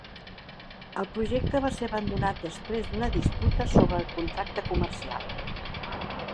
El projecte va ser abandonat després d'una disputa sobre el contracte comercial.